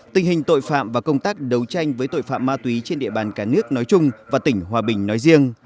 tình hình tội phạm và công tác đấu tranh với tội phạm ma túy trên địa bàn cả nước nói chung và tỉnh hòa bình nói riêng